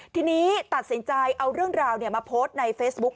ทีนี้ตัดสินใจเอาเรื่องราวมาโพสต์ในเฟซบุ๊ค